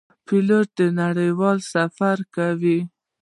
پیلوټ نړیوال سفرونه کوي.